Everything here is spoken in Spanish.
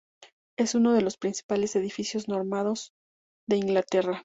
Es uno de los principales edificios normandos de Inglaterra.